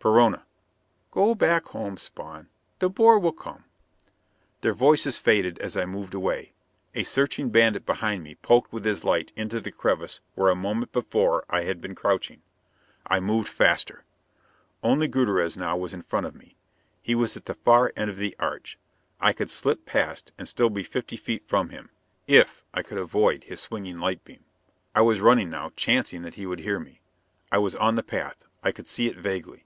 Perona: "Go back home, Spawn. De Boer will come " Their voices faded as I moved away. A searching bandit behind me poked with his light into the crevice where a moment before I had been crouching. I moved faster. Only Gutierrez now was in front of me. He was at the far end of the arch. I could slip past, and still be fifty feet from him if I could avoid his swinging little light beam. I was running now, chancing that he would hear me. I was on the path; I could see it vaguely.